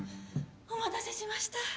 お待たせしました。